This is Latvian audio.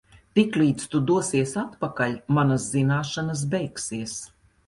Tiklīdz tu dosies atpakaļ, manas zināšanas beigsies.